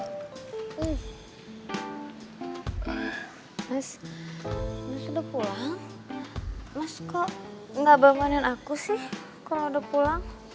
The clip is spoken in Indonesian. mas udah pulang mas kok gak bangunin aku sih kalau udah pulang